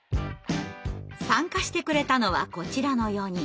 参加してくれたのはこちらの４人。